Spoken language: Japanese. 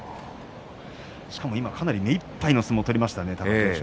しかも今かなり目いっぱいの相撲を取りましたね、貴景勝。